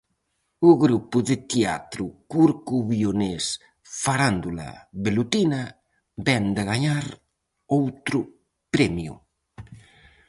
O grupo de teatro corcubionés "Farándula Velutina" vén de gañar outro premio.